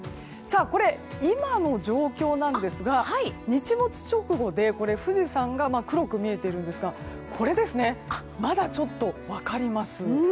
今の状況なんですが日没直後で富士山が黒く見えているんですがまだちょっと分かります。